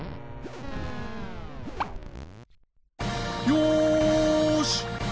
よし！